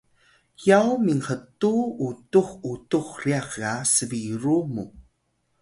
yaw minhtuw utux utux ryax ga sbiru mu